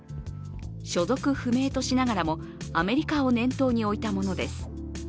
所属不明としながらもアメリカを念頭に置いたものです。